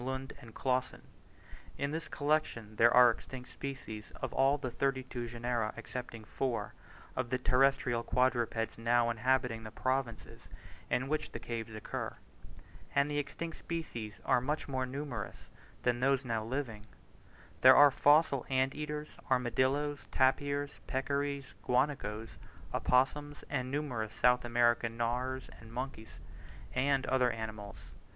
Lund and Clausen. In this collection there are extinct species of all the thirty two genera, excepting four, of the terrestrial quadrupeds now inhabiting the provinces in which the caves occur; and the extinct species are much more numerous than those now living: there are fossil ant eaters, armadillos, tapirs, peccaries, guanacos, opossums, and numerous South American gnawers and monkeys, and other animals.